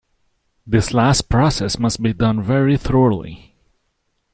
This last process must be done very thoroughly.